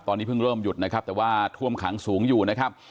ตอนนี้เพิ่งเริ่มหยุดนะครับแต่ว่าท่วมขังสูงอยู่นะครับ